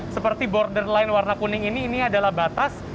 seperti borderline warna kuning ini ini adalah batas